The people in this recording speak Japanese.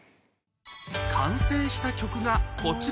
完成した曲がこちら